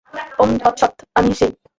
ওম তৎ সৎ, আমিই সেই।